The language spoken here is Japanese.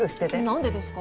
何でですか？